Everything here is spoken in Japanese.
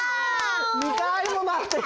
２かいもまわってる。